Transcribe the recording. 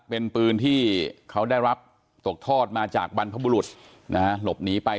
เป็นปืนที่เขาได้รับตกทอดมาจากบรรพบุรุษนะฮะหลบหนีไป